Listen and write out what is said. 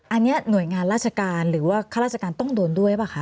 อันนี้หน่วยงานราชการหรือว่าข้าราชการต้องโดนด้วยป่ะคะ